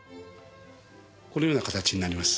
このような形になります。